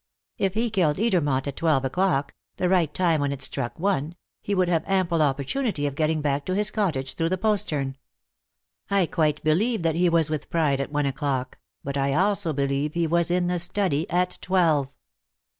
"If he killed Edermont at twelve o'clock the right time when it struck one he would have ample opportunity of getting back to his cottage through the postern. I quite believe that he was with Pride at one o'clock; but I also believe he was in the study at twelve."